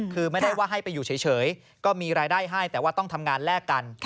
คือไม่ได้ว่าให้ไปอยู่เฉยก็มีรายได้ให้แต่ว่าต้องทำงานแลกกัน